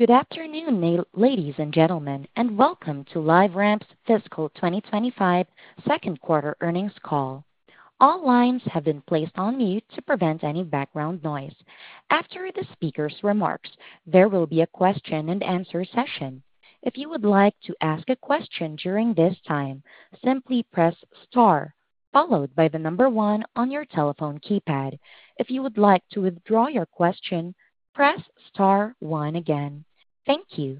Good afternoon, ladies and gentlemen, and welcome to LiveRamp's Fiscal 2025 Second-Quarter Earnings Call. All lines have been placed on mute to prevent any background noise. After the speaker's remarks, there will be a question-and-answer session. If you would like to ask a question during this time, simply press star, followed by the number one on your telephone keypad. If you would like to withdraw your question, press star one again. Thank you.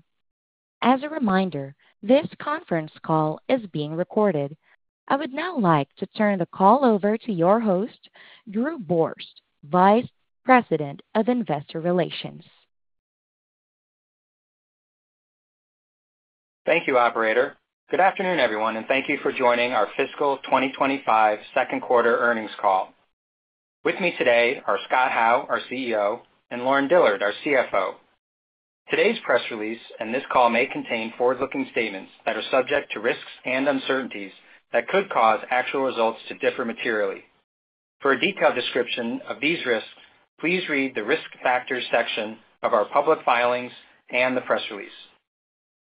As a reminder, this conference call is being recorded. I would now like to turn the call over to your host, Drew Borst, Vice President of Investor Relations. Thank you, Operator. Good afternoon, everyone, and thank you for joining our Fiscal 2025 second-quarter earnings call. With me today are Scott Howe, our CEO, and Lauren Dillard, our CFO. Today's press release and this call may contain forward-looking statements that are subject to risks and uncertainties that could cause actual results to differ materially. For a detailed description of these risks, please read the risk factors section of our public filings and the press release.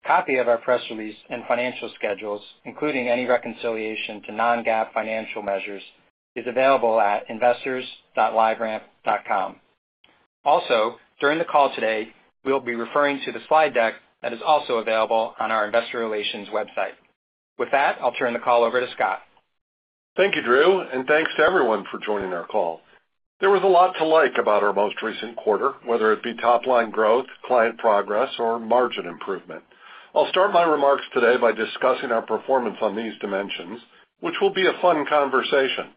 A copy of our press release and financial schedules, including any reconciliation to non-GAAP financial measures, is available at investors.liveramp.com. Also, during the call today, we'll be referring to the slide deck that is also available on our investor relations website. With that, I'll turn the call over to Scott. Thank you, Drew, and thanks to everyone for joining our call. There was a lot to like about our most recent quarter, whether it be top-line growth, client progress, or margin improvement. I'll start my remarks today by discussing our performance on these dimensions, which will be a fun conversation.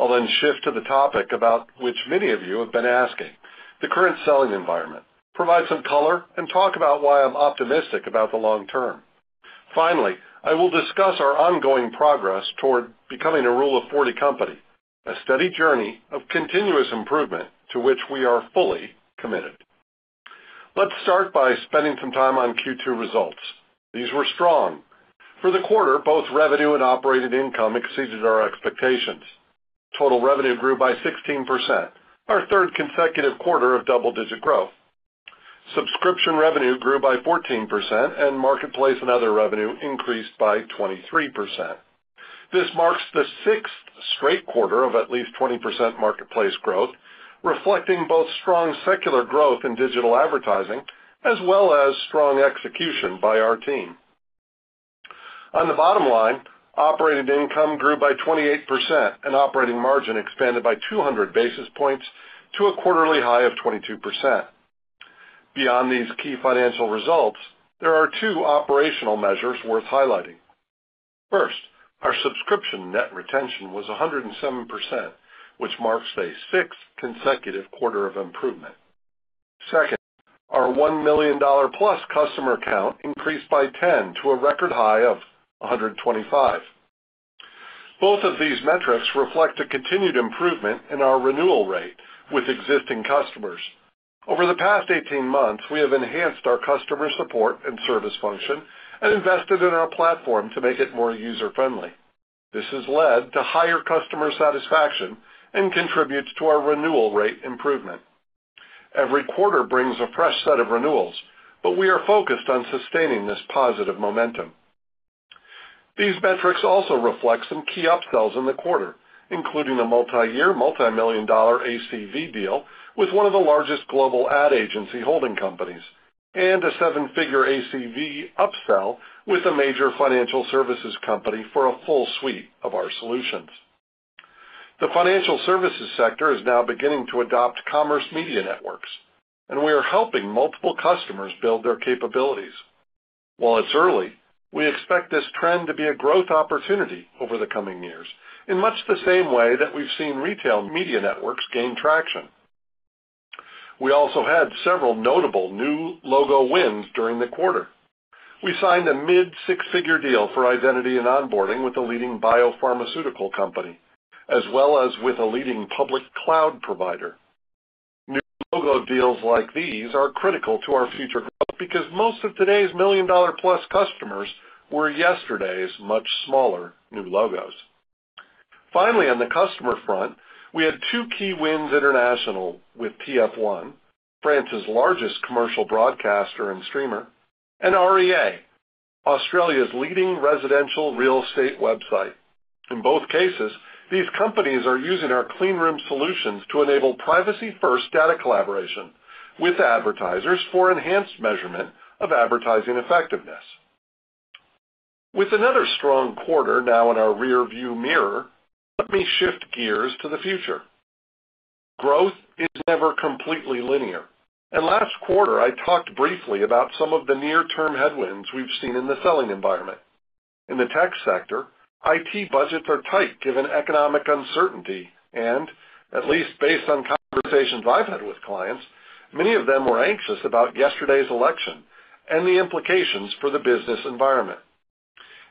I'll then shift to the topic about which many of you have been asking, the current selling environment, provide some color, and talk about why I'm optimistic about the long term. Finally, I will discuss our ongoing progress toward becoming a Rule of 40 company, a steady journey of continuous improvement to which we are fully committed. Let's start by spending some time on Q2 results. These were strong. For the quarter, both revenue and operating income exceeded our expectations. Total revenue grew by 16%, our third consecutive quarter of double-digit growth. Subscription revenue grew by 14%, and marketplace and other revenue increased by 23%. This marks the sixth straight quarter of at least 20% marketplace growth, reflecting both strong secular growth in digital advertising as well as strong execution by our team. On the bottom line, operating income grew by 28%, and operating margin expanded by 200 basis points to a quarterly high of 22%. Beyond these key financial results, there are two operational measures worth highlighting. First, our subscription net retention was 107%, which marks a sixth consecutive quarter of improvement. Second, our $1 million+ customer count increased by 10 to a record high of 125. Both of these metrics reflect a continued improvement in our renewal rate with existing customers. Over the past 18 months, we have enhanced our customer support and service function and invested in our platform to make it more user-friendly. This has led to higher customer satisfaction and contributes to our renewal rate improvement. Every quarter brings a fresh set of renewals, but we are focused on sustaining this positive momentum. These metrics also reflect some key upsells in the quarter, including a multi-year, multi-million-dollar ACV deal with one of the largest global ad agency holding companies and a seven-figure ACV upsell with a major financial services company for a full suite of our solutions. The financial services sector is now beginning to adopt commerce media networks, and we are helping multiple customers build their capabilities. While it's early, we expect this trend to be a growth opportunity over the coming years in much the same way that we've seen retail media networks gain traction. We also had several notable new logo wins during the quarter. We signed a mid-six-figure deal for identity and onboarding with a leading biopharmaceutical company, as well as with a leading public cloud provider. New logo deals like these are critical to our future growth because most of today's million-dollar-plus customers were yesterday's much smaller new logos. Finally, on the customer front, we had two key wins, international, with TF1, France's largest commercial broadcaster and streamer, and REA, Australia's leading residential real estate website. In both cases, these companies are using our clean room solutions to enable privacy-first data collaboration with advertisers for enhanced measurement of advertising effectiveness. With another strong quarter now in our rearview mirror, let me shift gears to the future. Growth is never completely linear, and last quarter, I talked briefly about some of the near-term headwinds we've seen in the selling environment. In the tech sector, IT budgets are tight given economic uncertainty and, at least based on conversations I've had with clients, many of them were anxious about yesterday's election and the implications for the business environment.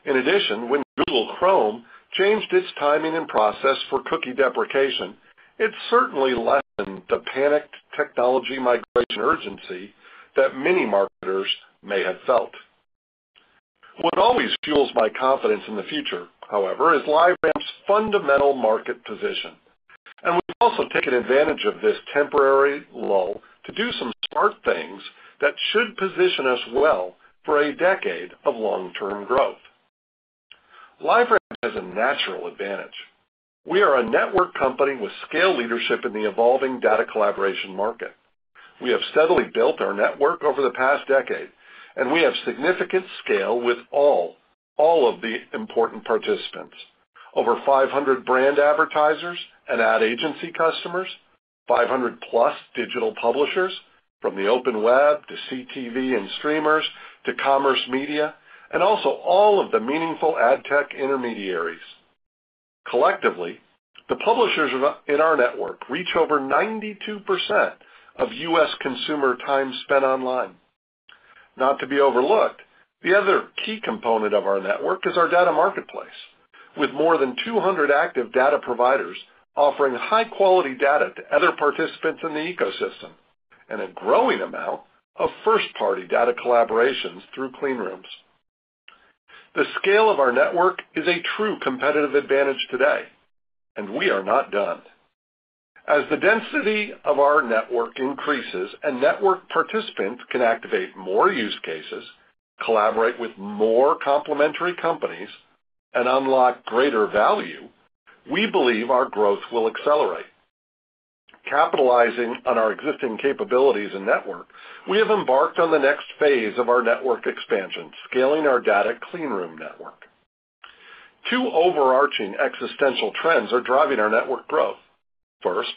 In addition, when Google Chrome changed its timing and process for cookie deprecation, it certainly lessened the panicked technology migration urgency that many marketers may have felt. What always fuels my confidence in the future, however, is LiveRamp's fundamental market position, and we've also taken advantage of this temporary lull to do some smart things that should position us well for a decade of long-term growth. LiveRamp has a natural advantage. We are a network company with scale leadership in the evolving data collaboration market. We have steadily built our network over the past decade, and we have significant scale with all of the important participants: over 500 brand advertisers and ad agency customers, 500+ digital publishers, from the open web to CTV and streamers to commerce media, and also all of the meaningful ad tech intermediaries. Collectively, the publishers in our network reach over 92% of U.S. consumer time spent online. Not to be overlooked, the other key component of our network is our data marketplace, with more than 200 active data providers offering high-quality data to other participants in the ecosystem and a growing amount of first-party data collaborations through clean rooms. The scale of our network is a true competitive advantage today, and we are not done. As the density of our network increases and network participants can activate more use cases, collaborate with more complementary companies, and unlock greater value, we believe our growth will accelerate. Capitalizing on our existing capabilities and network, we have embarked on the next phase of our network expansion, scaling our data clean room network. Two overarching existential trends are driving our network growth. First,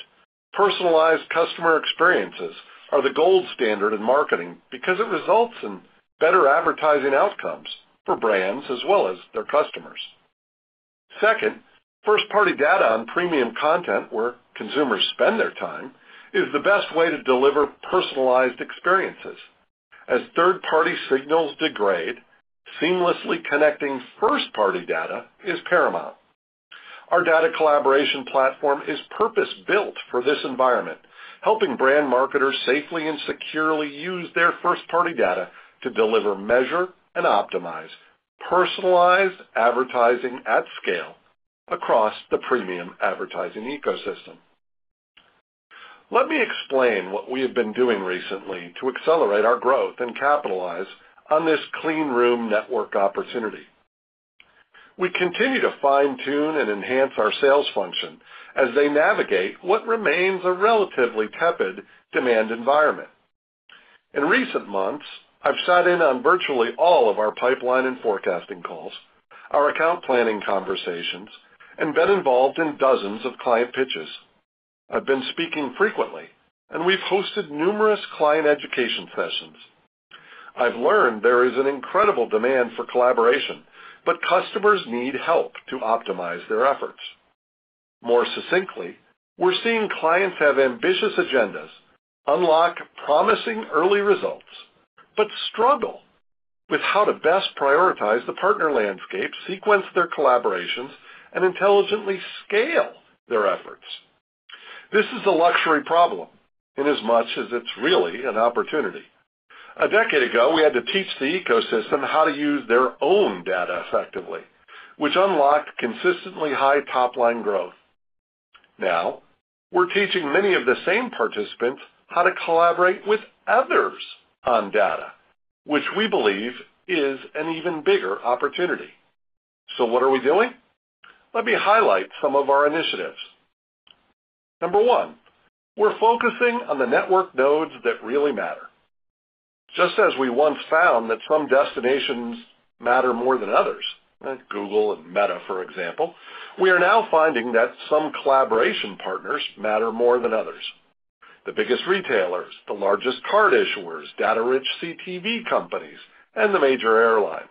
personalized customer experiences are the gold standard in marketing because it results in better advertising outcomes for brands as well as their customers. Second, first-party data on premium content, where consumers spend their time, is the best way to deliver personalized experiences. As third-party signals degrade, seamlessly connecting first-party data is paramount. Our data collaboration platform is purpose-built for this environment, helping brand marketers safely and securely use their first-party data to deliver, measure, and optimize personalized advertising at scale across the premium advertising ecosystem. Let me explain what we have been doing recently to accelerate our growth and capitalize on this clean room network opportunity. We continue to fine-tune and enhance our sales function as they navigate what remains a relatively tepid demand environment. In recent months, I've sat in on virtually all of our pipeline and forecasting calls, our account planning conversations, and been involved in dozens of client pitches. I've been speaking frequently, and we've hosted numerous client education sessions. I've learned there is an incredible demand for collaboration, but customers need help to optimize their efforts. More succinctly, we're seeing clients have ambitious agendas, unlock promising early results, but struggle with how to best prioritize the partner landscape, sequence their collaborations, and intelligently scale their efforts. This is a luxury problem inasmuch as it's really an opportunity. A decade ago, we had to teach the ecosystem how to use their own data effectively, which unlocked consistently high top-line growth. Now, we're teaching many of the same participants how to collaborate with others on data, which we believe is an even bigger opportunity. So what are we doing? Let me highlight some of our initiatives. Number one, we're focusing on the network nodes that really matter. Just as we once found that some destinations matter more than others, like Google and Meta, for example, we are now finding that some collaboration partners matter more than others: the biggest retailers, the largest card issuers, data-rich CTV companies, and the major airlines.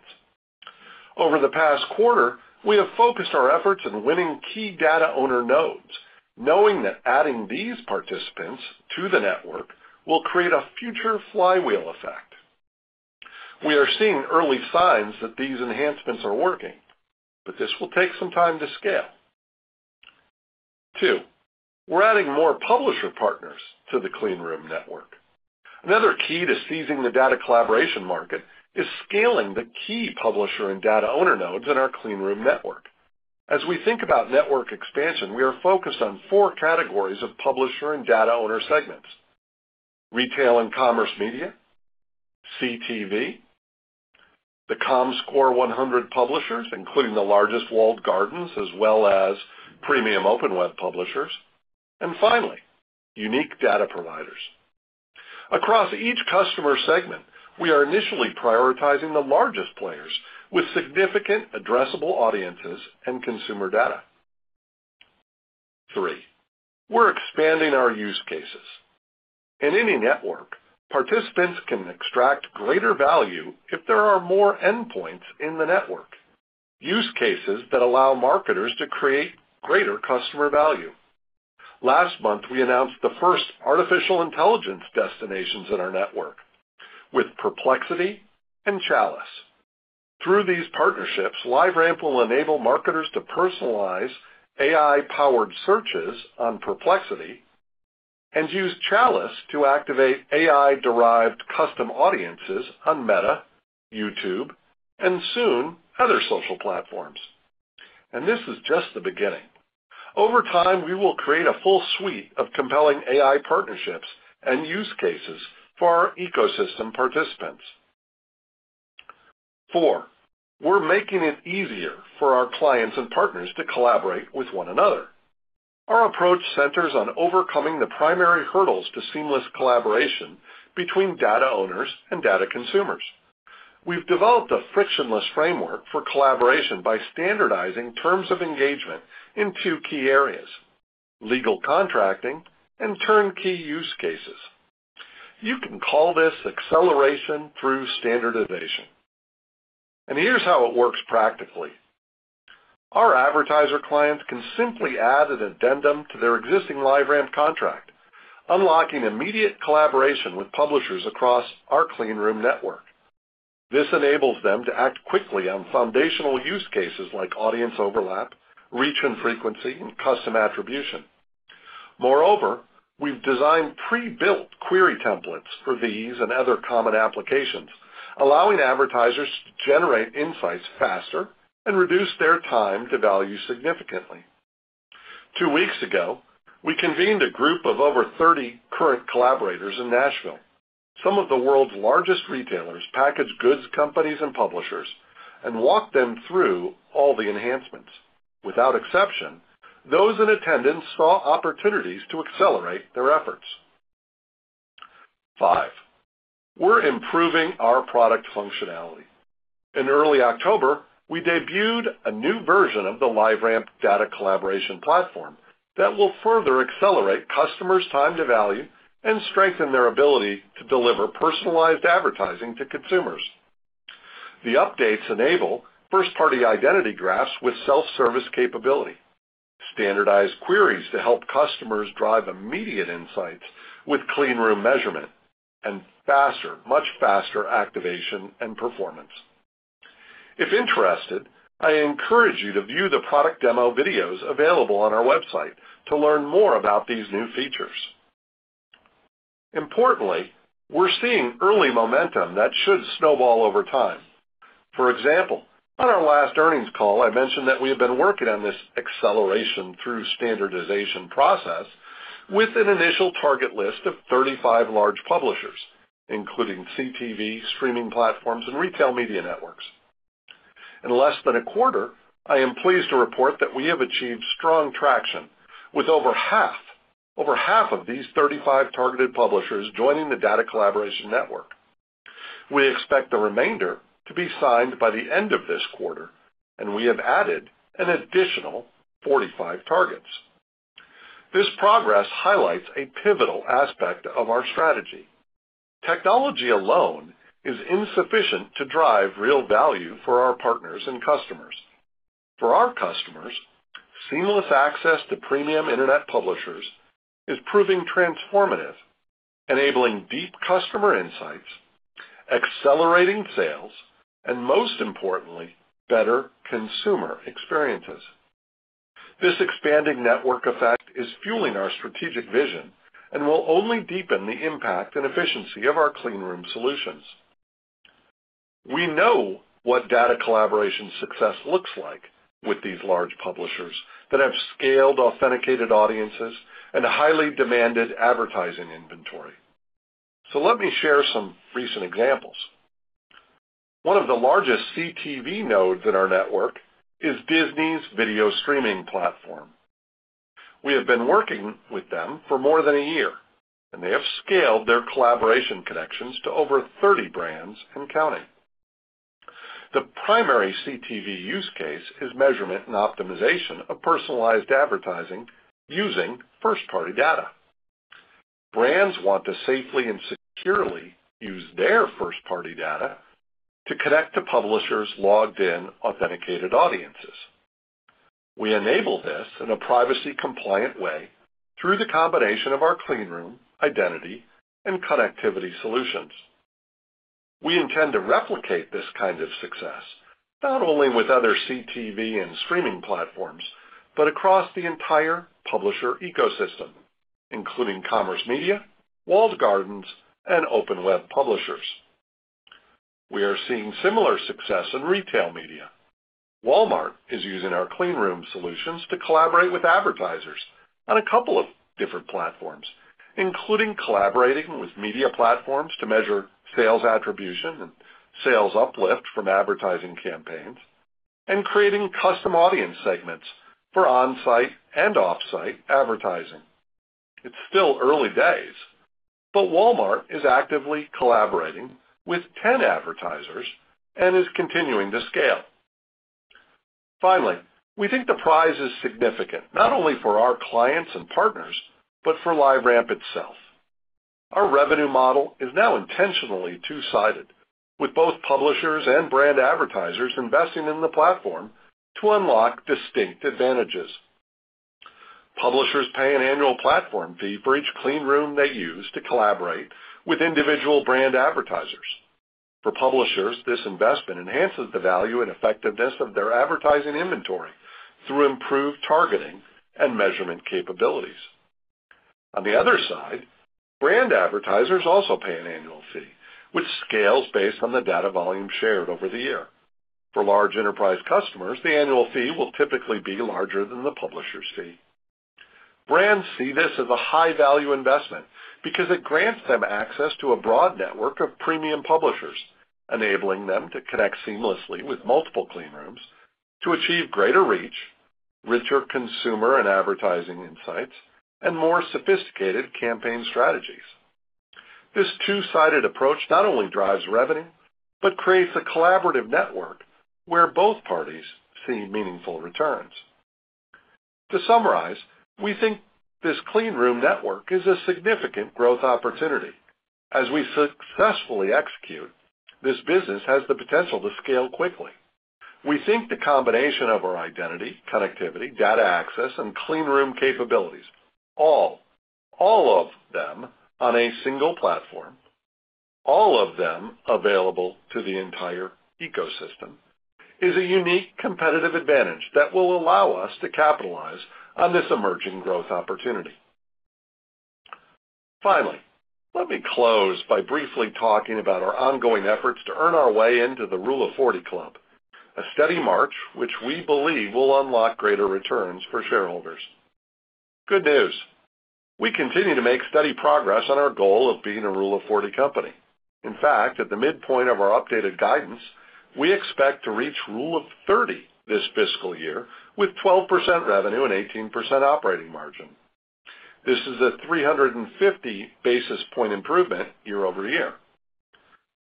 Over the past quarter, we have focused our efforts in winning key data owner nodes, knowing that adding these participants to the network will create a future flywheel effect. We are seeing early signs that these enhancements are working, but this will take some time to scale. Two, we're adding more publisher partners to the clean room network. Another key to seizing the data collaboration market is scaling the key publisher and data owner nodes in our clean room network. As we think about network expansion, we are focused on four categories of publisher and data owner segments: retail and commerce media, CTV, the Comscore 100 publishers, including the largest walled gardens, as well as premium open web publishers, and finally, unique data providers. Across each customer segment, we are initially prioritizing the largest players with significant addressable audiences and consumer data. Three, we're expanding our use cases. In any network, participants can extract greater value if there are more endpoints in the network, use cases that allow marketers to create greater customer value. Last month, we announced the first artificial intelligence destinations in our network with Perplexity and Chalice. Through these partnerships, LiveRamp will enable marketers to personalize AI-powered searches on Perplexity and use Chalice to activate AI-derived custom audiences on Meta, YouTube, and soon other social platforms. And this is just the beginning. Over time, we will create a full suite of compelling AI partnerships and use cases for our ecosystem participants. Four, we're making it easier for our clients and partners to collaborate with one another. Our approach centers on overcoming the primary hurdles to seamless collaboration between data owners and data consumers. We've developed a frictionless framework for collaboration by standardizing terms of engagement in two key areas: legal contracting and turnkey use cases. You can call this acceleration through standardization. And here's how it works practically. Our advertiser clients can simply add an addendum to their existing LiveRamp contract, unlocking immediate collaboration with publishers across our clean room network. This enables them to act quickly on foundational use cases like audience overlap, reach and frequency, and custom attribution. Moreover, we've designed pre-built query templates for these and other common applications, allowing advertisers to generate insights faster and reduce their time to value significantly. Two weeks ago, we convened a group of over 30 current collaborators in Nashville. Some of the world's largest retailers packaged goods companies and publishers and walked them through all the enhancements. Without exception, those in attendance saw opportunities to accelerate their efforts. Five, we're improving our product functionality. In early October, we debuted a new version of the LiveRamp data collaboration platform that will further accelerate customers' time to value and strengthen their ability to deliver personalized advertising to consumers. The updates enable first-party identity graphs with self-service capability, standardized queries to help customers drive immediate insights with clean room measurement, and faster, much faster activation and performance. If interested, I encourage you to view the product demo videos available on our website to learn more about these new features. Importantly, we're seeing early momentum that should snowball over time. For example, on our last earnings call, I mentioned that we have been working on this acceleration through standardization process with an initial target list of 35 large publishers, including CTV, streaming platforms, and retail media networks. In less than a quarter, I am pleased to report that we have achieved strong traction with over half of these 35 targeted publishers joining the data collaboration network. We expect the remainder to be signed by the end of this quarter, and we have added an additional 45 targets. This progress highlights a pivotal aspect of our strategy. Technology alone is insufficient to drive real value for our partners and customers. For our customers, seamless access to premium internet publishers is proving transformative, enabling deep customer insights, accelerating sales, and most importantly, better consumer experiences. This expanding network effect is fueling our strategic vision and will only deepen the impact and efficiency of our clean room solutions. We know what data collaboration success looks like with these large publishers that have scaled authenticated audiences and highly demanded advertising inventory. So let me share some recent examples. One of the largest CTV nodes in our network is Disney's video streaming platform. We have been working with them for more than a year, and they have scaled their collaboration connections to over 30 brands and counting. The primary CTV use case is measurement and optimization of personalized advertising using first-party data. Brands want to safely and securely use their first-party data to connect to publishers' logged-in authenticated audiences. We enable this in a privacy-compliant way through the combination of our clean room, identity, and connectivity solutions. We intend to replicate this kind of success not only with other CTV and streaming platforms, but across the entire publisher ecosystem, including commerce media, walled gardens, and open web publishers. We are seeing similar success in retail media. Walmart is using our clean room solutions to collaborate with advertisers on a couple of different platforms, including collaborating with media platforms to measure sales attribution and sales uplift from advertising campaigns, and creating custom audience segments for on-site and off-site advertising. It's still early days, but Walmart is actively collaborating with 10 advertisers and is continuing to scale. Finally, we think the prize is significant not only for our clients and partners, but for LiveRamp itself. Our revenue model is now intentionally two-sided, with both publishers and brand advertisers investing in the platform to unlock distinct advantages. Publishers pay an annual platform fee for each clean room they use to collaborate with individual brand advertisers. For publishers, this investment enhances the value and effectiveness of their advertising inventory through improved targeting and measurement capabilities. On the other side, brand advertisers also pay an annual fee, which scales based on the data volume shared over the year. For large enterprise customers, the annual fee will typically be larger than the publisher's fee. Brands see this as a high-value investment because it grants them access to a broad network of premium publishers, enabling them to connect seamlessly with multiple clean rooms to achieve greater reach, richer consumer and advertising insights, and more sophisticated campaign strategies. This two-sided approach not only drives revenue, but creates a collaborative network where both parties see meaningful returns. To summarize, we think this clean room network is a significant growth opportunity. As we successfully execute, this business has the potential to scale quickly. We think the combination of our identity, connectivity, data access, and clean room capabilities, all of them on a single platform, all of them available to the entire ecosystem, is a unique competitive advantage that will allow us to capitalize on this emerging growth opportunity. Finally, let me close by briefly talking about our ongoing efforts to earn our way into the Rule of 40 Club, a steady march which we believe will unlock greater returns for shareholders. Good news. We continue to make steady progress on our goal of being a Rule of 40 company. In fact, at the midpoint of our updated guidance, we expect to reach Rule of 30 this fiscal year with 12% revenue and 18% operating margin. This is a 350 basis points improvement year-over-year.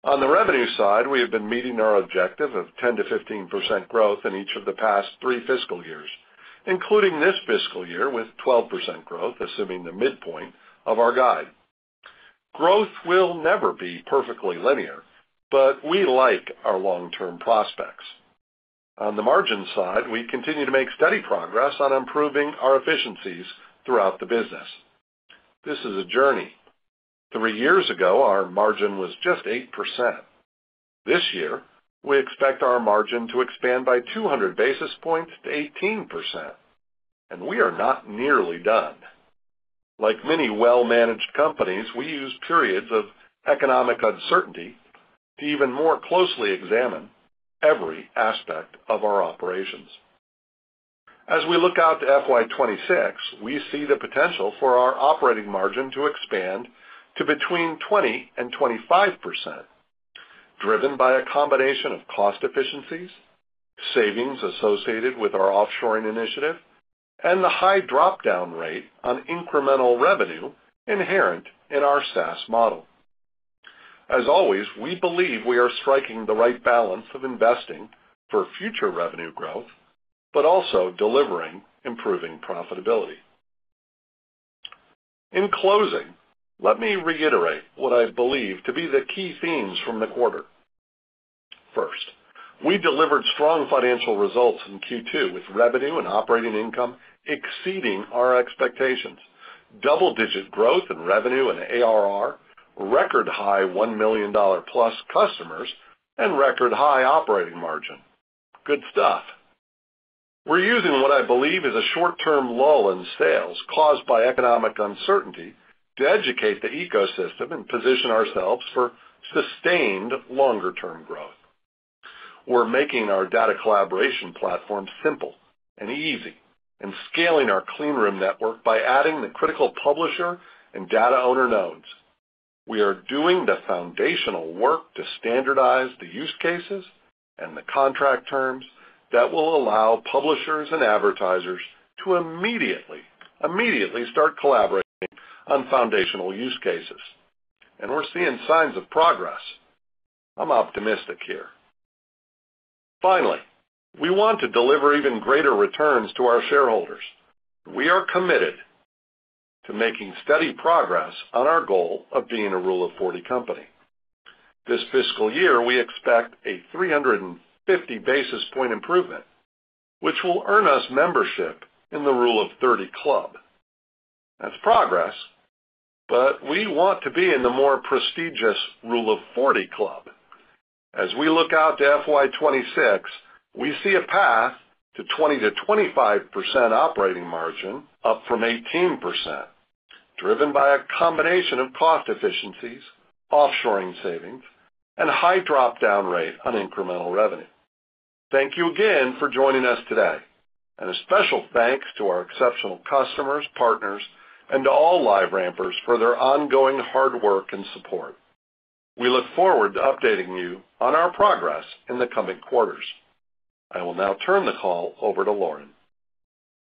On the revenue side, we have been meeting our objective of 10%-15% growth in each of the past three fiscal years, including this fiscal year with 12% growth, assuming the midpoint of our guide. Growth will never be perfectly linear, but we like our long-term prospects. On the margin side, we continue to make steady progress on improving our efficiencies throughout the business. This is a journey. Three years ago, our margin was just 8%. This year, we expect our margin to expand by 200 basis points to 18%, and we are not nearly done. Like many well-managed companies, we use periods of economic uncertainty to even more closely examine every aspect of our operations. As we look out to FY 2026, we see the potential for our operating margin to expand to between 20% and 25%, driven by a combination of cost efficiencies, savings associated with our offshoring initiative, and the high dropdown rate on incremental revenue inherent in our SaaS model. As always, we believe we are striking the right balance of investing for future revenue growth, but also delivering improving profitability. In closing, let me reiterate what I believe to be the key themes from the quarter. First, we delivered strong financial results in Q2 with revenue and operating income exceeding our expectations, double-digit growth in revenue and ARR, record high $1 million+ customers, and record high operating margin. Good stuff. We're using what I believe is a short-term lull in sales caused by economic uncertainty to educate the ecosystem and position ourselves for sustained longer-term growth. We're making our data collaboration platform simple and easy and scaling our clean room network by adding the critical publisher and data owner nodes. We are doing the foundational work to standardize the use cases and the contract terms that will allow publishers and advertisers to immediately start collaborating on foundational use cases, and we're seeing signs of progress. I'm optimistic here. Finally, we want to deliver even greater returns to our shareholders. We are committed to making steady progress on our goal of being a Rule of 40 company. This fiscal year, we expect a 350 basis points improvement, which will earn us membership in the Rule of 30 Club. That's progress, but we want to be in the more prestigious Rule of 40 Club. As we look out to FY 2026, we see a path to 20%-25% operating margin, up from 18%, driven by a combination of cost efficiencies, offshoring savings, and high dropdown rate on incremental revenue. Thank you again for joining us today, and a special thanks to our exceptional customers, partners, and to all LiveRampers for their ongoing hard work and support. We look forward to updating you on our progress in the coming quarters. I will now turn the call over to Lauren.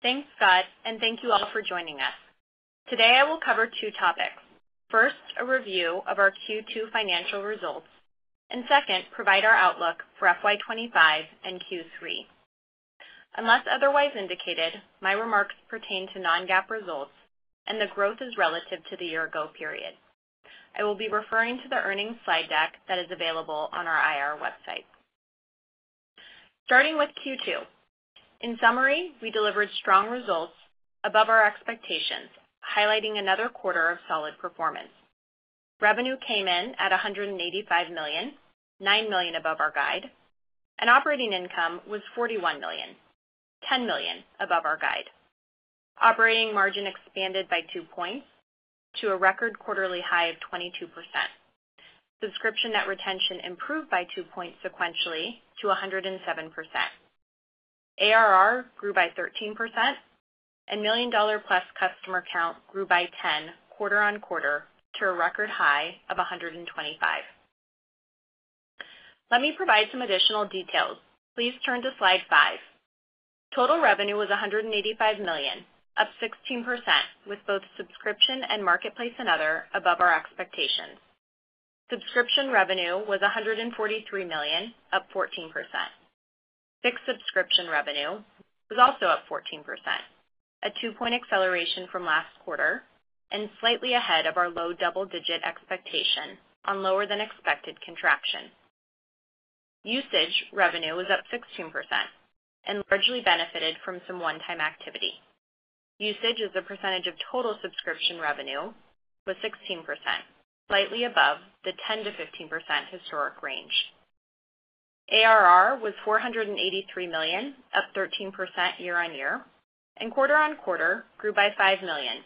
Thanks, Scott, and thank you all for joining us. Today, I will cover two topics. First, a review of our Q2 financial results, and second, provide our outlook for FY 2025 and Q3. Unless otherwise indicated, my remarks pertain to non-GAAP results, and the growth is relative to the year-ago period. I will be referring to the earnings slide deck that is available on our IR website. Starting with Q2. In summary, we delivered strong results above our expectations, highlighting another quarter of solid performance. Revenue came in at $185 million, $9 million above our guide, and operating income was $41 million, $10 million above our guide. Operating margin expanded by two points to a record quarterly high of 22%. Subscription net retention improved by two points sequentially to 107%. ARR grew by 13%, and million-dollar-plus customer count grew by 10 quarter-on-quarter to a record high of 125. Let me provide some additional details. Please turn to slide 5. Total revenue was $185 million, up 16%, with both subscription and marketplace and other above our expectations. Subscription revenue was $143 million, up 14%. Fixed subscription revenue was also up 14%, a two-point acceleration from last quarter, and slightly ahead of our low double-digit expectation on lower-than-expected contraction. Usage revenue was up 16% and largely benefited from some one-time activity. Usage is the percentage of total subscription revenue, with 16%, slightly above the 10%-15% historic range. ARR was $483 million, up 13% year-on-year, and quarter on quarter grew by $5 million,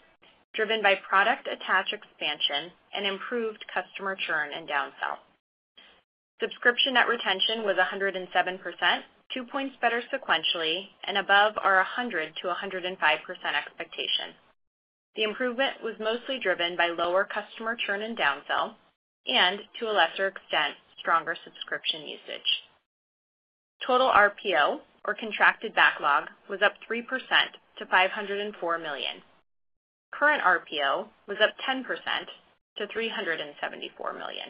driven by product attach expansion and improved customer churn and downsell. Subscription net retention was 107%, two points better sequentially and above our 100%-105% expectation. The improvement was mostly driven by lower customer churn and downsell and, to a lesser extent, stronger subscription usage. Total RPO, or contracted backlog, was up 3% to $504 million. Current RPO was up 10% to $374 million.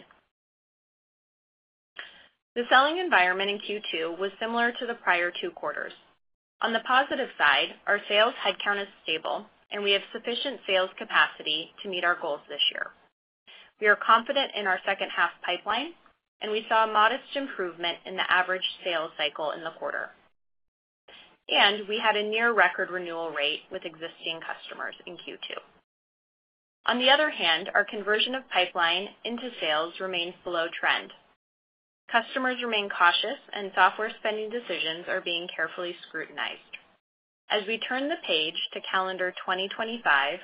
The selling environment in Q2 was similar to the prior two quarters. On the positive side, our sales headcount is stable, and we have sufficient sales capacity to meet our goals this year. We are confident in our second-half pipeline, and we saw a modest improvement in the average sales cycle in the quarter, and we had a near-record renewal rate with existing customers in Q2. On the other hand, our conversion of pipeline into sales remains below trend. Customers remain cautious, and software spending decisions are being carefully scrutinized. As we turn the page to calendar 2025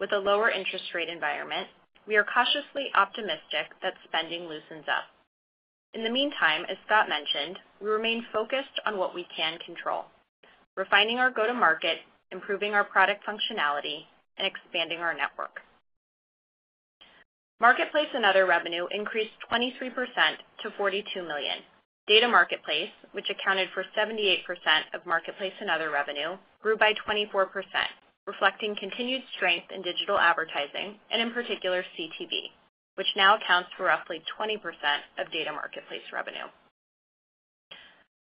with a lower interest rate environment, we are cautiously optimistic that spending loosens up. In the meantime, as Scott mentioned, we remain focused on what we can control: refining our go-to-market, improving our product functionality, and expanding our network. Marketplace and other revenue increased 23% to $42 million. Data marketplace, which accounted for 78% of marketplace and other revenue, grew by 24%, reflecting continued strength in digital advertising and, in particular, CTV, which now accounts for roughly 20% of data marketplace revenue.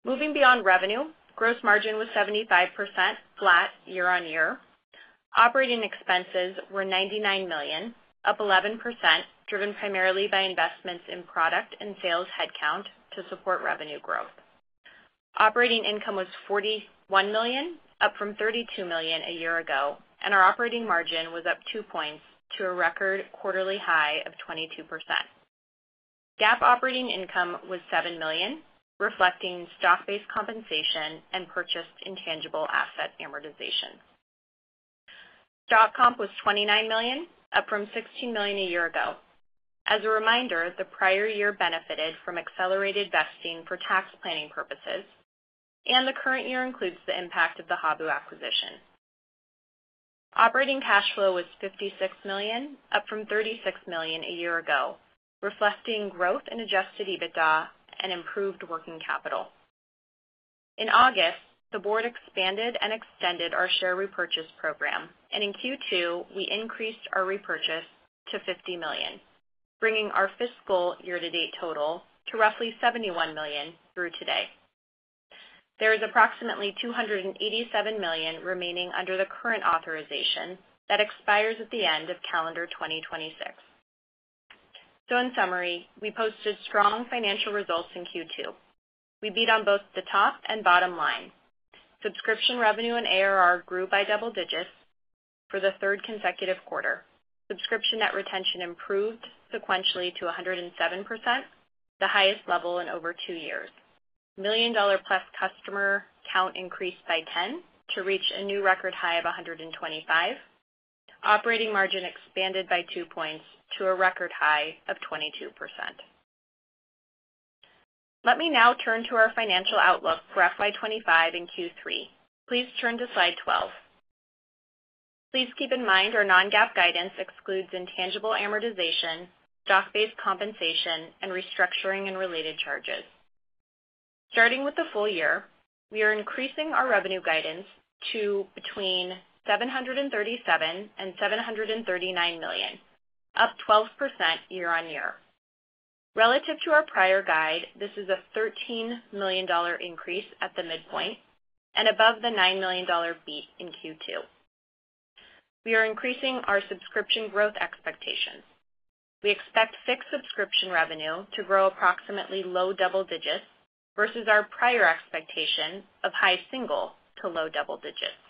Moving beyond revenue, gross margin was 75%, flat year-on-year. Operating expenses were $99 million, up 11%, driven primarily by investments in product and sales headcount to support revenue growth. Operating income was $41 million, up from $32 million a year ago, and our operating margin was up two points to a record quarterly high of 22%. GAAP operating income was $7 million, reflecting stock-based compensation and purchased intangible asset amortization. Stock comp was $29 million, up from $16 million a year ago. As a reminder, the prior year benefited from accelerated vesting for tax planning purposes, and the current year includes the impact of the Habu acquisition. Operating cash flow was $56 million, up from $36 million a year ago, reflecting growth in adjusted EBITDA and improved working capital. In August, the board expanded and extended our share repurchase program, and in Q2, we increased our repurchase to $50 million, bringing our fiscal year-to-date total to roughly $71 million through today. There is approximately $287 million remaining under the current authorization that expires at the end of calendar 2026. So, in summary, we posted strong financial results in Q2. We beat on both the top and bottom line. Subscription revenue and ARR grew by double digits for the third consecutive quarter. Subscription net retention improved sequentially to 107%, the highest level in over two years. Million-dollar-plus customer count increased by 10 to reach a new record high of 125. Operating margin expanded by two points to a record high of 22%. Let me now turn to our financial outlook for FY 2025 and Q3. Please turn to slide 12. Please keep in mind our non-GAAP guidance excludes intangible amortization, stock-based compensation, and restructuring and related charges. Starting with the full year, we are increasing our revenue guidance to between $737 million and $739 million, up 12% year-on-year. Relative to our prior guide, this is a $13 million increase at the midpoint and above the $9 million beat in Q2. We are increasing our subscription growth expectations. We expect fixed subscription revenue to grow approximately low double digits versus our prior expectation of high single to low double digits.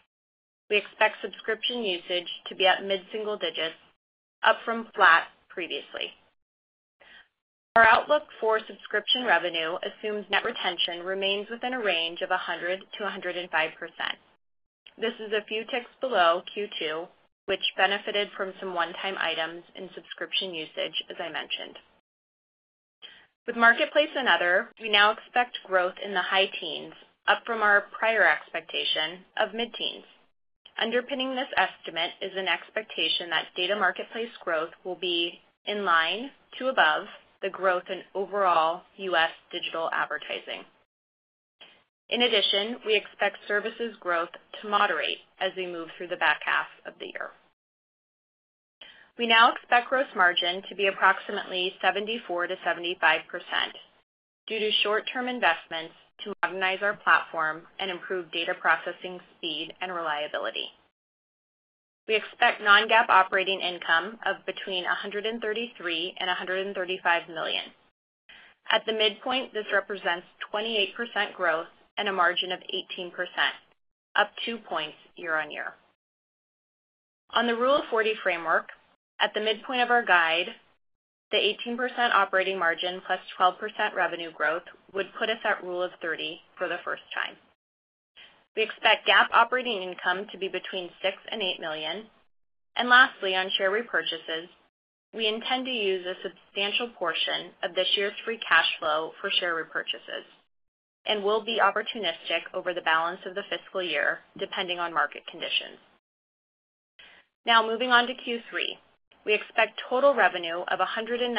We expect subscription usage to be at mid-single digits, up from flat previously. Our outlook for subscription revenue assumes net retention remains within a range of 100%-105%. This is a few ticks below Q2, which benefited from some one-time items in subscription usage, as I mentioned. With marketplace and other, we now expect growth in the high teens, up from our prior expectation of mid-teens. Underpinning this estimate is an expectation that data marketplace growth will be in line to above the growth in overall U.S. digital advertising. In addition, we expect services growth to moderate as we move through the back half of the year. We now expect gross margin to be approximately 74%-75% due to short-term investments to modernize our platform and improve data processing speed and reliability. We expect non-GAAP operating income of between $133 million and $135 million. At the midpoint, this represents 28% growth and a margin of 18%, up two points year-on-year. On the Rule of 40 framework, at the midpoint of our guide, the 18% operating margin +12% revenue growth would put us at Rule of 30 for the first time. We expect GAAP operating income to be between $6 million-$8 million. And lastly, on share repurchases, we intend to use a substantial portion of this year's free cash flow for share repurchases and will be opportunistic over the balance of the fiscal year, depending on market conditions. Now, moving on to Q3, we expect total revenue of $191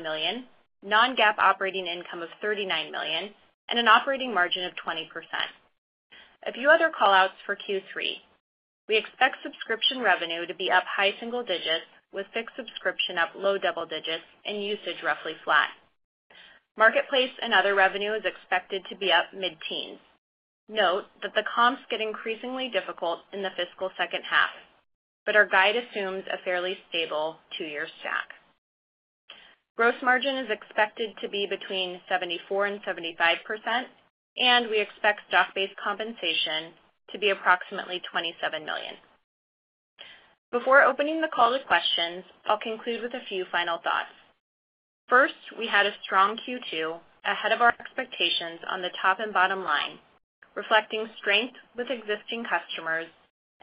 million, non-GAAP operating income of $39 million, and an operating margin of 20%. A few other callouts for Q3. We expect subscription revenue to be up high single digits, with fixed subscription up low double digits and usage roughly flat. Marketplace and other revenue is expected to be up mid-teens. Note that the comps get increasingly difficult in the fiscal second half, but our guide assumes a fairly stable two-year stack. Gross margin is expected to be between 74% and 75%, and we expect stock-based compensation to be approximately $27 million. Before opening the call to questions, I'll conclude with a few final thoughts. First, we had a strong Q2 ahead of our expectations on the top and bottom line, reflecting strength with existing customers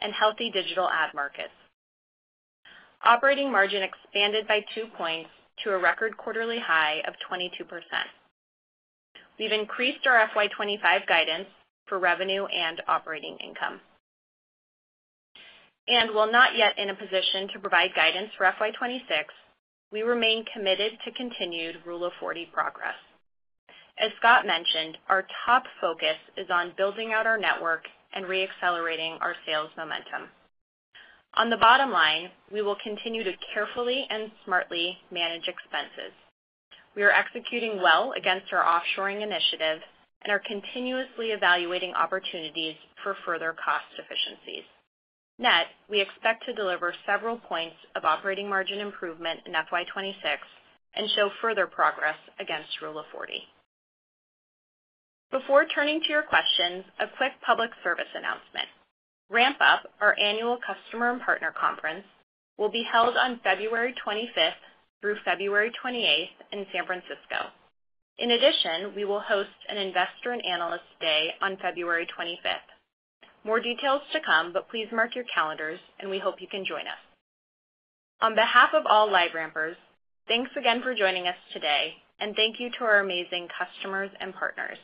and healthy digital ad markets. Operating margin expanded by two points to a record quarterly high of 22%. We've increased our FY 2025 guidance for revenue and operating income. And while not yet in a position to provide guidance for FY 2026, we remain committed to continued Rule of 40 progress. As Scott mentioned, our top focus is on building out our network and re-accelerating our sales momentum. On the bottom line, we will continue to carefully and smartly manage expenses. We are executing well against our offshoring initiative and are continuously evaluating opportunities for further cost efficiencies. Net, we expect to deliver several points of operating margin improvement in FY 2026 and show further progress against Rule of 40. Before turning to your questions, a quick public service announcement. RampUp, our annual customer and partner conference, will be held on February 25th through February 28th in San Francisco. In addition, we will host an investor and analyst day on February 25th. More details to come, but please mark your calendars, and we hope you can join us. On behalf of all LiveRampers, thanks again for joining us today, and thank you to our amazing customers and partners.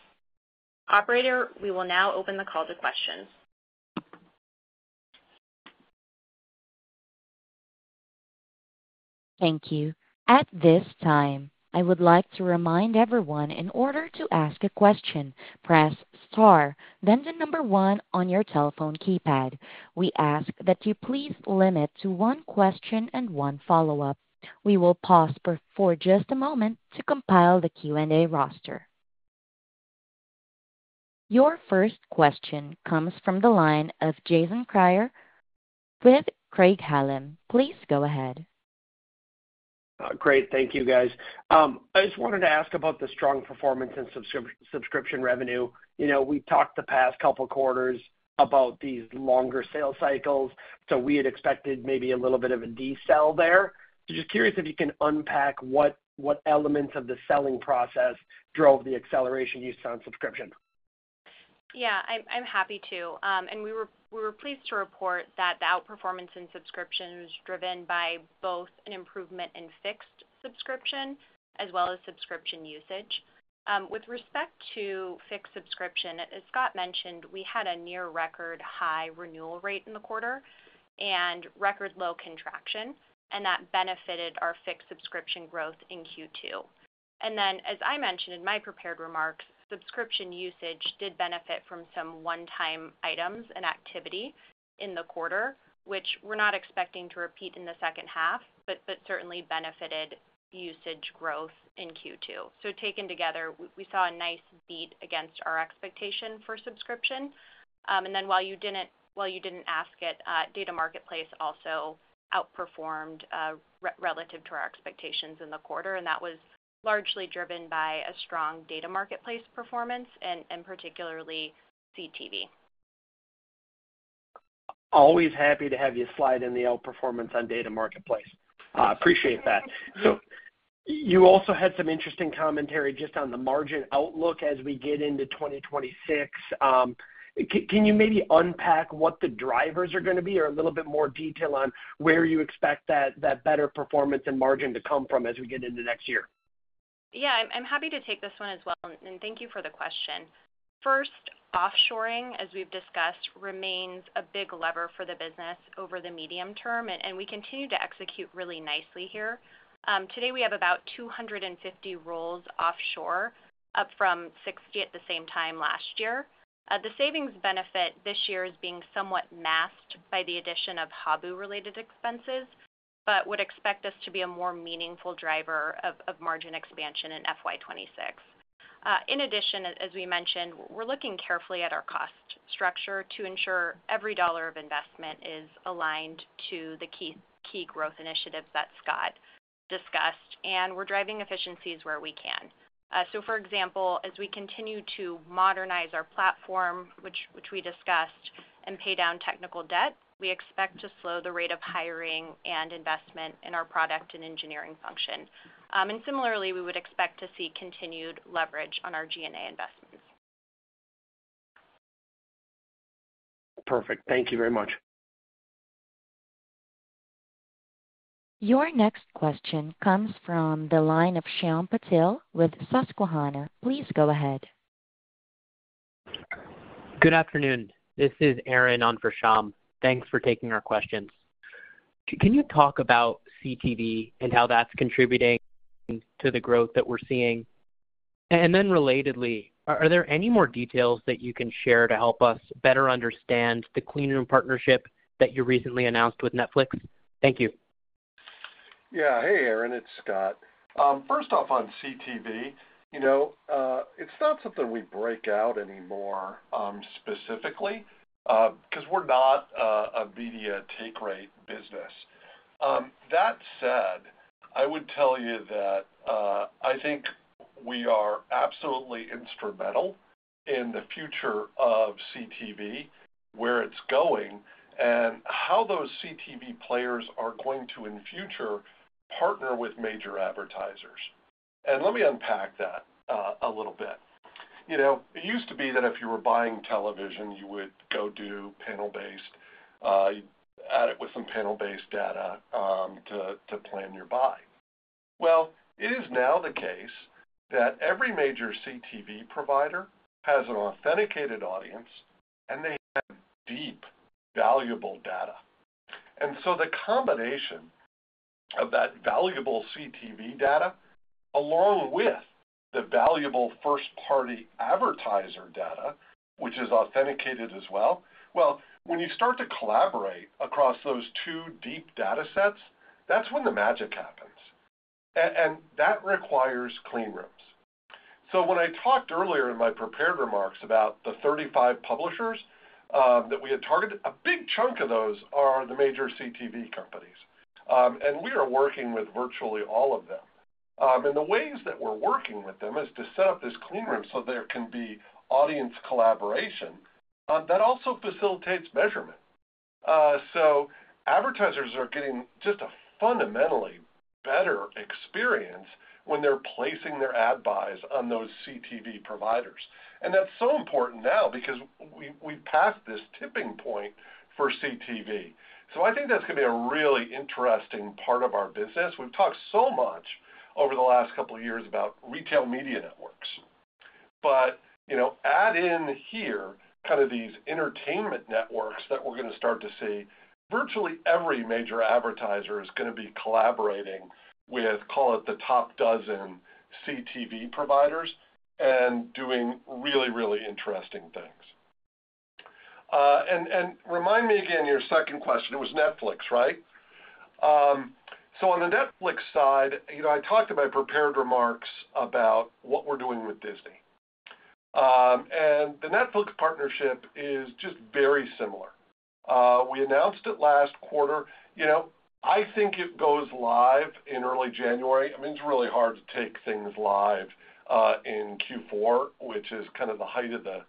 Operator, we will now open the call to questions. Thank you. At this time, I would like to remind everyone, in order to ask a question, press star, then the number one on your telephone keypad. We ask that you please limit to one question and one follow-up. We will pause for just a moment to compile the Q&A roster. Your first question comes from the line of Jason Kreyer with Craig-Hallum. Please go ahead. Great. Thank you, guys. I just wanted to ask about the strong performance in subscription revenue. We've talked the past couple of quarters about these longer sales cycles, so we had expected maybe a little bit of a deceleration there. So just curious if you can unpack what elements of the selling process drove the acceleration you saw in subscription. Yeah, I'm happy to. And we were pleased to report that the outperformance in subscription was driven by both an improvement in fixed subscription as well as subscription usage. With respect to fixed subscription, as Scott mentioned, we had a near-record high renewal rate in the quarter and record-low contraction, and that benefited our fixed subscription growth in Q2. And then, as I mentioned in my prepared remarks, subscription usage did benefit from some one-time items and activity in the quarter, which we're not expecting to repeat in the second half, but certainly benefited usage growth in Q2. So taken together, we saw a nice beat against our expectation for subscription. And then, while you didn't ask it, data marketplace also outperformed relative to our expectations in the quarter, and that was largely driven by a strong data marketplace performance, and particularly CTV. Always happy to have you slide in the outperformance on data marketplace. Appreciate that. So you also had some interesting commentary just on the margin outlook as we get into 2026. Can you maybe unpack what the drivers are going to be, or a little bit more detail on where you expect that better performance and margin to come from as we get into next year? Yeah, I'm happy to take this one as well, and thank you for the question. First, offshoring, as we've discussed, remains a big lever for the business over the medium term, and we continue to execute really nicely here. Today, we have about 250 roles offshore, up from 60 at the same time last year. The savings benefit this year is being somewhat masked by the addition of Habu-related expenses, but would expect this to be a more meaningful driver of margin expansion in FY 2026. In addition, as we mentioned, we're looking carefully at our cost structure to ensure every dollar of investment is aligned to the key growth initiatives that Scott discussed, and we're driving efficiencies where we can. For example, as we continue to modernize our platform, which we discussed, and pay down technical debt, we expect to slow the rate of hiring and investment in our product and engineering function. And similarly, we would expect to see continued leverage on our G&A investments. Perfect. Thank you very much. Your next question comes from the line of Shyam Patil with Susquehanna. Please go ahead. Good afternoon. This is Aaron on for Shyam. Thanks for taking our questions. Can you talk about CTV and how that's contributing to the growth that we're seeing? And then relatedly, are there any more details that you can share to help us better understand the clean room partnership that you recently announced with Netflix? Thank you. Yeah. Hey, Aaron. It's Scott. First off, on CTV, it's not something we break out anymore specifically because we're not a media take rate business. That said, I would tell you that I think we are absolutely instrumental in the future of CTV, where it's going, and how those CTV players are going to, in future, partner with major advertisers. And let me unpack that a little bit. It used to be that if you were buying television, you would go do panel-based audit with some panel-based data to plan your buy. It is now the case that every major CTV provider has an authenticated audience, and they have deep, valuable data. The combination of that valuable CTV data along with the valuable first-party advertiser data, which is authenticated as well, well, when you start to collaborate across those two deep data sets, that's when the magic happens. That requires clean rooms. When I talked earlier in my prepared remarks about the 35 publishers that we had targeted, a big chunk of those are the major CTV companies. We are working with virtually all of them. The ways that we're working with them is to set up this clean room so there can be audience collaboration that also facilitates measurement. Advertisers are getting just a fundamentally better experience when they're placing their ad buys on those CTV providers. And that's so important now because we've passed this tipping point for CTV. So I think that's going to be a really interesting part of our business. We've talked so much over the last couple of years about retail media networks. But add in here kind of these entertainment networks that we're going to start to see virtually every major advertiser is going to be collaborating with, call it the top dozen CTV providers and doing really, really interesting things. And remind me again your second question. It was Netflix, right? So on the Netflix side, I talked in my prepared remarks about what we're doing with Disney. And the Netflix partnership is just very similar. We announced it last quarter. I think it goes live in early January. I mean, it's really hard to take things live in Q4, which is kind of the height of the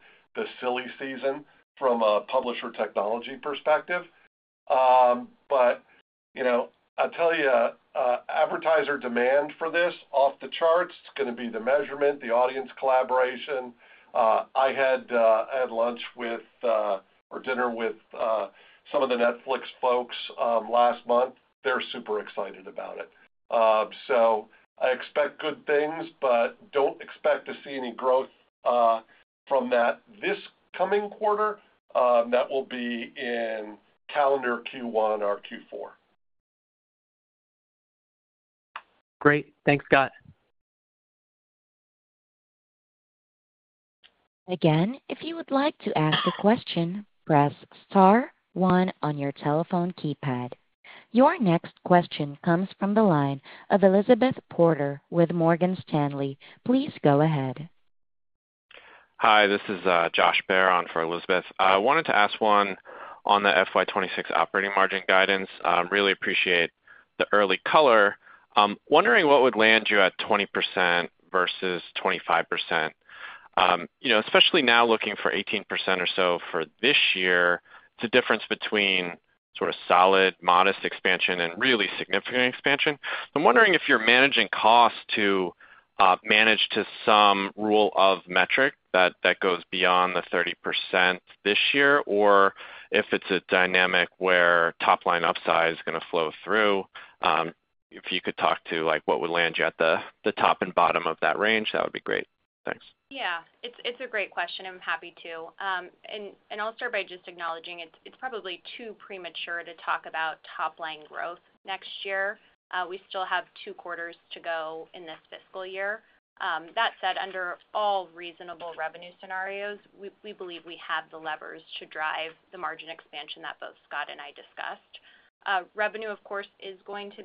silly season from a publisher technology perspective. But I'll tell you, advertiser demand for this off the charts, it's going to be the measurement, the audience collaboration. I had lunch with or dinner with some of the Netflix folks last month. They're super excited about it. So I expect good things, but don't expect to see any growth from that this coming quarter. That will be in calendar Q1 or Q4. Great. Thanks, Scott. Again, if you would like to ask a question, press star one on your telephone keypad. Your next question comes from the line of Elizabeth Porter with Morgan Stanley. Please go ahead. Hi, this is Josh Baer for Elizabeth. I wanted to ask one on the FY 2026 operating margin guidance. Really appreciate the early color. Wondering what would land you at 20%-25%, especially now looking for 18% or so for this year. It's a difference between sort of solid, modest expansion and really significant expansion. I'm wondering if you're managing costs to manage to some Rule of 40 metric that goes beyond the 30% this year, or if it's a dynamic where top-line upside is going to flow through. If you could talk to what would land you at the top and bottom of that range, that would be great. Thanks. Yeah. It's a great question, and I'm happy to. And I'll start by just acknowledging it's probably too premature to talk about top-line growth next year. We still have two quarters to go in this fiscal year. That said, under all reasonable revenue scenarios, we believe we have the levers to drive the margin expansion that both Scott and I discussed. Revenue, of course, is going to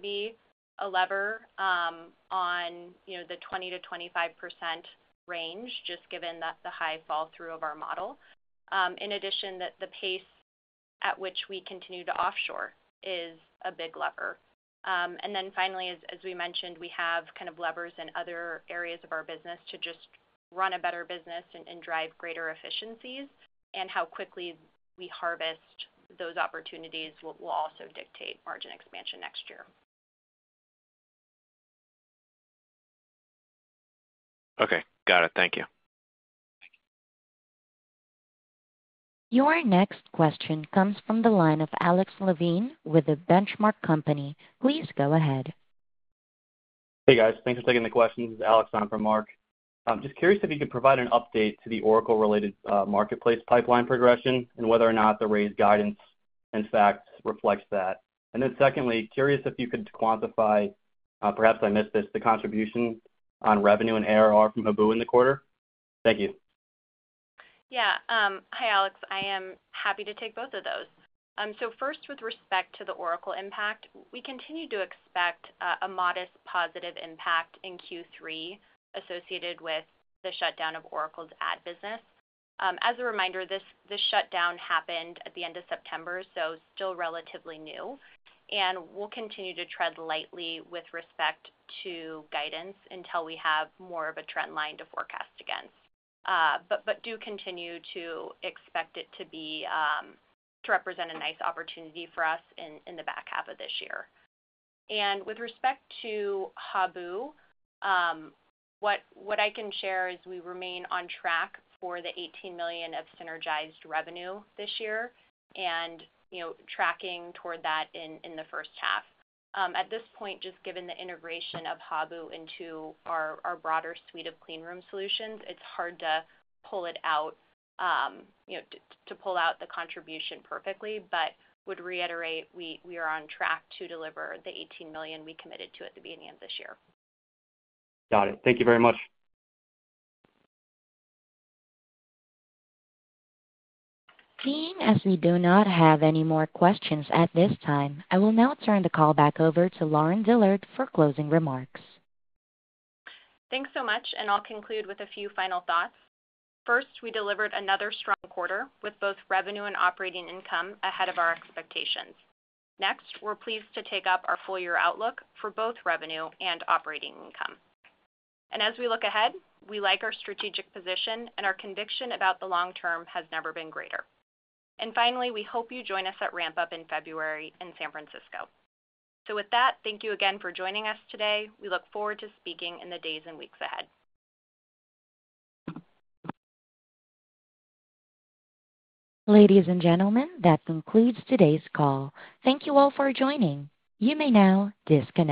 be a lever on the 20%-25% range, just given the high fall-through of our model. In addition, the pace at which we continue to offshore is a big lever. And then finally, as we mentioned, we have kind of levers in other areas of our business to just run a better business and drive greater efficiencies. And how quickly we harvest those opportunities will also dictate margin expansion next year. Okay. Got it. Thank you. Your next question comes from the line of Alex Levine with The Benchmark Company. Please go ahead. Hey, guys. Thanks for taking the questions. This is Alex on for Mark. Just curious if you could provide an update to the Oracle-related marketplace pipeline progression and whether or not the raised guidance and facts reflect that. And then secondly, curious if you could quantify, perhaps I missed this, the contribution on revenue and ARR from Habu in the quarter. Thank you. Yeah. Hi, Alex. I am happy to take both of those. So first, with respect to the Oracle impact, we continue to expect a modest positive impact in Q3 associated with the shutdown of Oracle's ad business. As a reminder, this shutdown happened at the end of September, so still relatively new. And we'll continue to tread lightly with respect to guidance until we have more of a trend line to forecast against. But do continue to expect it to represent a nice opportunity for us in the back half of this year. And with respect to Habu, what I can share is we remain on track for the $18 million of synergized revenue this year and tracking toward that in the first half. At this point, just given the integration of Habu into our broader suite of clean room solutions, it's hard to pull out the contribution perfectly. But would reiterate, we are on track to deliver the $18 million we committed to at the beginning of this year. Got it. Thank you very much. Seeing as we do not have any more questions at this time, I will now turn the call back over to Lauren Dillard for closing remarks. Thanks so much, and I'll conclude with a few final thoughts. First, we delivered another strong quarter with both revenue and operating income ahead of our expectations. Next, we're pleased to take up our full-year outlook for both revenue and operating income, and as we look ahead, we like our strategic position, and our conviction about the long term has never been greater. And finally, we hope you join us at RampUp in February in San Francisco. So with that, thank you again for joining us today. We look forward to speaking in the days and weeks ahead. Ladies and gentlemen, that concludes today's call. Thank you all for joining. You may now disconnect.